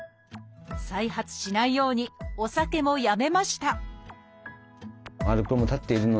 再発しないようにお酒もやめました